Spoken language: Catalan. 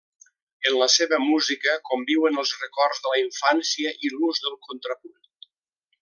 En la seva música conviuen els records de la infància i l'ús del contrapunt.